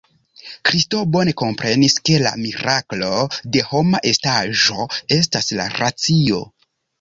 Kristo bone komprenis, ke la miraklo de homa estaĵo estas la racio.